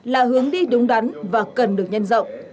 là hướng đi đúng đắn và cần được nhân rộng